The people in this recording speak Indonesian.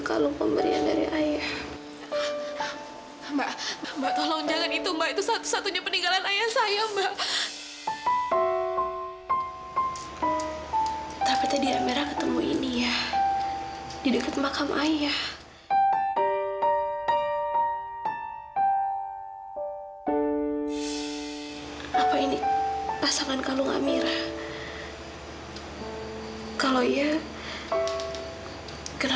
kakak dapat dari mana kalung ini kak